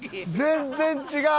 全然違う。